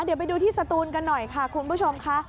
เดี๋ยวไปดูที่สตูนกันหน่อยค่ะคุณผู้ชมค่ะ